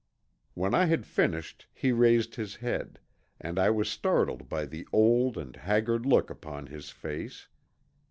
When I had finished he raised his head, and I was startled by the old and haggard look upon his face.